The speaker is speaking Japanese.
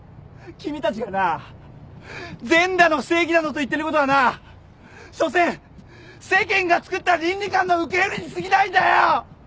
君たちがな善だの正義だのと言ってることはなしょせん世間がつくった倫理観の受け売りにすぎないんだよ！